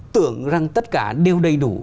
tưởng rằng tất cả đều đầy đủ